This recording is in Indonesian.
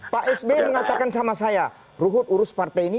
pak sby mengatakan sama saya ruhut urus partai ini